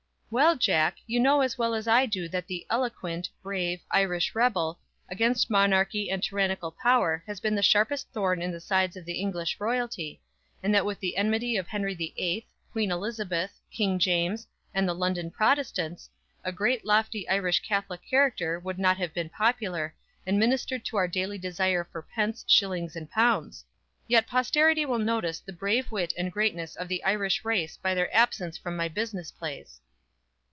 "Well, Jack, you know as well as I do that the 'eloquent,' 'brave,' 'Irish rebel,' against monarchy and tyrannical power has been the sharpest thorn in the sides of English royalty, and that with the enmity of Henry the Eighth, Queen Elizabeth, King James, and the London Protestants, a great, lofty Irish Catholic character would not have been popular, and ministered to our daily desire for pence, shillings and pounds! "Yet posterity will notice the brave wit and greatness of the Irish race by their absence from my business plays."